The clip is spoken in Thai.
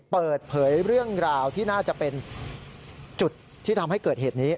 เปิดเผยเรื่องราวที่น่าจะเป็นจุดที่ทำให้เกิดเหตุนี้